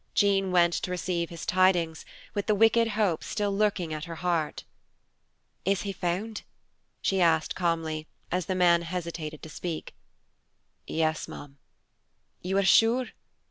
Jean went to receive his tidings, with the wicked hope still lurking at her heart. "Is he found?" she asked calmly, as the man hesitated to speak. "Yes, ma'am." "You are sure?"